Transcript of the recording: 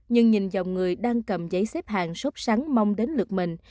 nhưng nhìn dòng người đang cầm giấy xếp hàng sốt sáng mong đến lượt mình